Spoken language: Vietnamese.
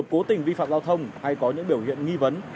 trường hợp cố tình vi phạm giao thông hay có những biểu hiện nghi vấn